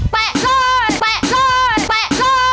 แปะกล้อนแปะกล้อนแปะกล้อน